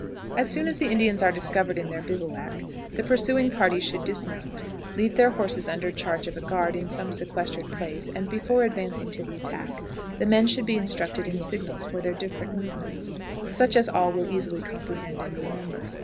As soon as the Indians are discovered in their bivouac, the pursuing party should dismount, leave their horses under charge of a guard in some sequestered place, and, before advancing to the attack, the men should be instructed in signals for their different movements, such as all will easily comprehend and remember.